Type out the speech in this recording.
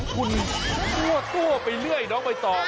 คุณโทรไปเรื่อยน้องไปต่อ